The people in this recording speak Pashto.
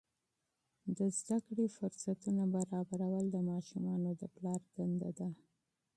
د زده کړې فرصتونه برابرول د ماشومانو د پلار دنده ده.